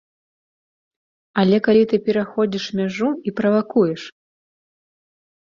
Але калі ты пераходзіш мяжу і правакуеш.